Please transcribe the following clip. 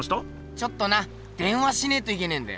ちょっとな電話しねえといけねえんだよ。